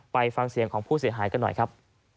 ไปฟังเสียงของผู้เสียหายกันหน่อยครับ